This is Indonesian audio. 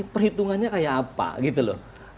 perhitungannya kayak apa gitu loh